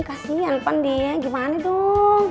kasian pendia gimana dong